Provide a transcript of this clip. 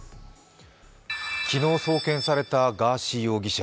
昨日、送検されたガーシー容疑者。